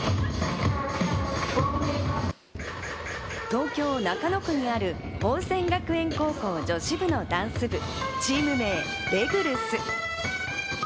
東京・中野区にある宝仙学園高校女子部のダンス部チーム名・ＲｅｇｕＬｕ’ｓ。